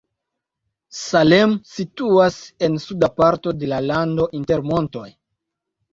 Salem situas en suda parto de la lando inter montoj.